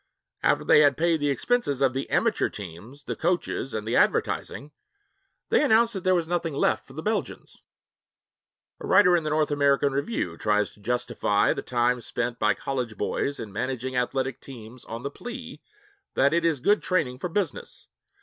After they had paid the expenses of the 'amateur' teams, the coaches, and the advertising, they announced that there was nothing left for the Belgians. A writer in the North American Review tries to justify the time spent by college boys in managing athletic teams on the plea that it is good training for business.